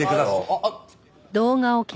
あっ。